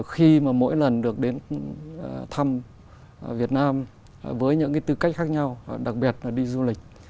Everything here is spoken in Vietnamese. khi mà mỗi lần được đến thăm việt nam với những cái tư cách khác nhau đặc biệt là đi du lịch